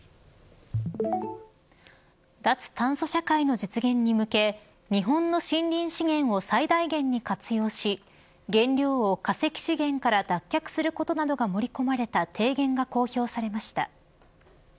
脱炭素社会の実現に向け日本の森林資源を最大限に活用し原料を化石資源から脱却することなどが盛り込まれた提言が公表されました。